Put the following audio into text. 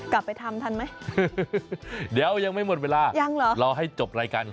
กลับไปทำทันไหมเดี๋ยวยังไม่หมดเวลายังเหรอรอให้จบรายการ